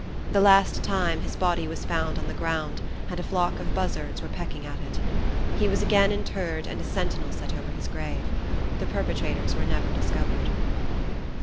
The last time, his body was found on the ground, and a flock of buzzards were pecking at it. He was again interred, and a sentinel set over his grave. The perpetrators were never discovered.